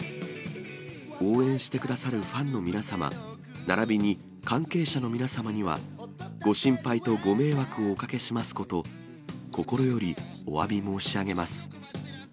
応援してくださるファンの皆様、ならびに関係者の皆様には、ご心配とご迷惑をおかけしますこと、心よりおわび申し上げます。